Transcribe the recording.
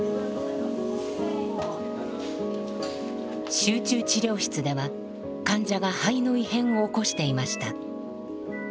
集中治療室では患者が肺の異変を起こしていました。